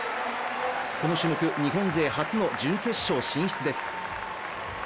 この種目、日本勢初の準決勝進出です。